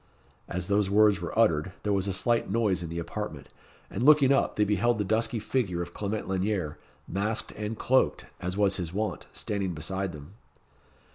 As those words were uttered, there was a slight noise in the apartment, and looking up, they beheld the dusky figure of Clement Lanyere, masked and cloaked, as was his wont, standing beside them.